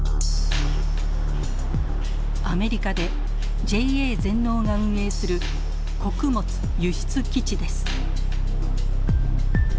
アメリカでＪＡ全農が運営する穀物輸出基地です。